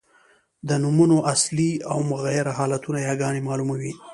د نومونو اصلي او مغیره حالتونه یاګاني مالوموي.